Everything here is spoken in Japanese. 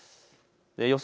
予想